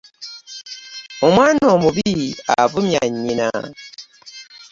Omwana omubi avumya nyinna .